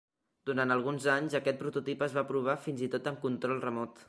Durant alguns anys, aquest prototip es va provar fins i tot amb control remot.